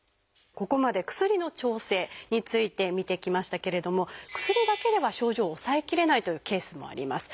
ここまで薬の調整について見てきましたけれども薬だけでは症状を抑えきれないというケースもあります。